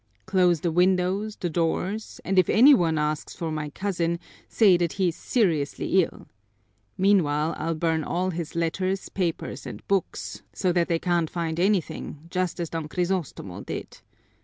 Close the windows, the doors, and if any one asks for my cousin, say that he is seriously ill. Meanwhile, I'll burn all his letters, papers, and books, so that they can't find anything, just as Don Crisostomo did.